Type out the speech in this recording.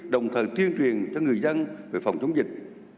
đồng thời tuyên truyền cho người dân về phòng chống dịch